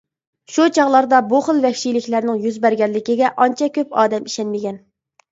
شۇ چاغلاردا بۇ خىل ۋەھشىيلىكلەرنىڭ يۈز بەرگەنلىكىگە ئانچە كۆپ ئادەم ئىشەنمىگەن.